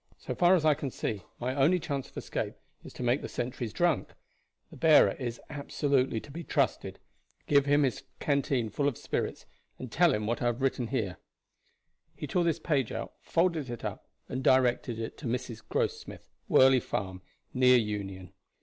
So far as I can see, my only chance of escape is to make the sentries drunk. The bearer is absolutely to be trusted. Give him his canteen full of spirits, and tell him what I have written here." He tore this page out, folded it up, and directed it to Mrs. Grossmith, Worley Farm, near Union.